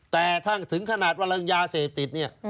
แต่ทั้งถึงขนาดว่าเรื่องยาเสพติดเนี่ย